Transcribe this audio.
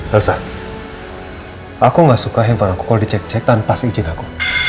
elsa aku gak suka handphone aku call di cek cek tanpa izin aku